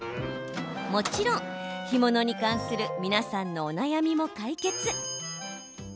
もちろん、干物に関する皆さんのお悩みも解決！